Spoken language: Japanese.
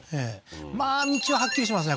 まあ道ははっきりしてますね